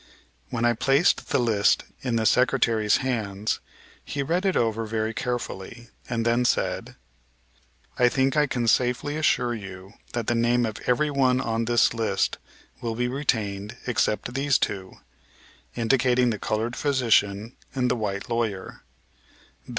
When I placed the list in the Secretary's hands he read it over very carefully, and then said: "I think I can safely assure you that the name of every one on this list will be retained except these two" indicating the colored physician and the white lawyer.